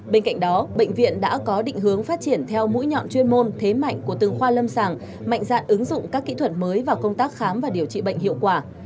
bên cạnh đó bệnh viện đã có định hướng phát triển theo mũi nhọn chuyên môn thế mạnh của từng khoa lâm sàng mạnh dạn ứng dụng các kỹ thuật mới vào công tác khám và điều trị bệnh hiệu quả